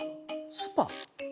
スパ？